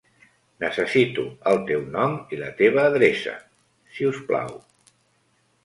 Necessito el teu nom i la teva adreça, si us plau.